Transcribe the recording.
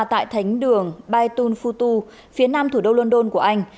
tại thánh đường baitunfutu phía nam thủ đô london của anh